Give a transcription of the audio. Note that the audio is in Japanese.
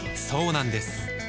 そうなんです